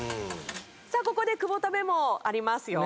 さあここで久保田メモありますよ。